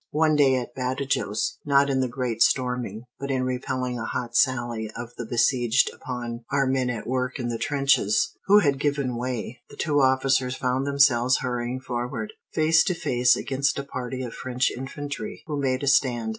One day, at Badajos, not in the great storming, but in repelling a hot sally of the besieged upon our men at work in the trenches, who had given way, the two officers found themselves hurrying forward, face to face, against a party of French infantry, who made a stand.